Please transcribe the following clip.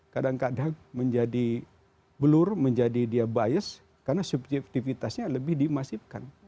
kadang kadang menjadi blur menjadi dia bias karena subjektivitasnya lebih dimasibkan